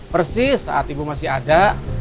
persis saat ibu masih ada